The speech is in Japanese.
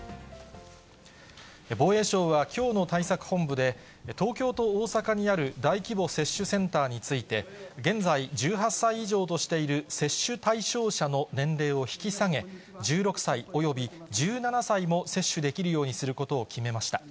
防衛省はきょうの対策本部で、東京と大阪にある大規模接種センターについて、現在１８歳以上としている接種対象者の年齢を引き下げ、１６歳および１７歳も接種できるようにすることを決めました。